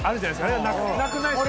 あれがなくないですか？